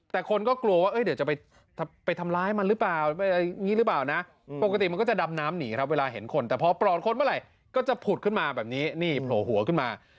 แต่คนก็กลัวว่าเดี๋ยวจะไปทำร้ายมันหรือเปล่าอะไรอย่างนี้หรือเปล่านะปกติมันก็จะดำน้ำหนีครับเวลาเห็นคนแต่พอปลอดคนเมื่อไหร่ก็จะผุดขึ้นมาแบบนี้นี่โผล่หัวขึ้นมา